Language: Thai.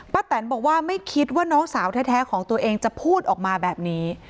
แตนบอกว่าไม่คิดว่าน้องสาวแท้ของตัวเองจะพูดออกมาแบบนี้